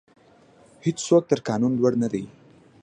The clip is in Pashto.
هیڅوک تر قانون لوړ نه دی.